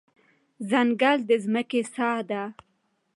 ځنګل د ځمکې ساه ده.